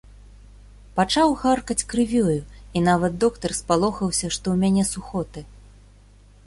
Пачаў харкаць крывёю, і нават доктар спалохаўся, што ў мяне сухоты.